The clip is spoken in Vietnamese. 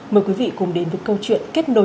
mời quý vị cùng đến với câu chuyện kết nối